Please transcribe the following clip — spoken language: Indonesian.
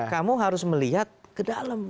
kamu harus melihat ke dalam